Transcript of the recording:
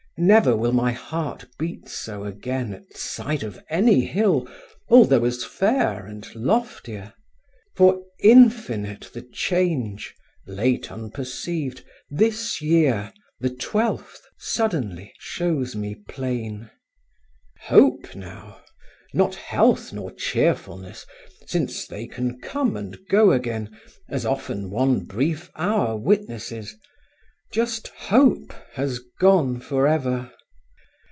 Never will My heart beat so again at sight Of any hill although as fair And loftier. For infinite The change, late unperceived, this year, The twelfth, suddenly, shows me plain. Hope now, not health nor cheerfulness, Since they can come and go again, As often one brief hour witnesses, Just hope has gone forever.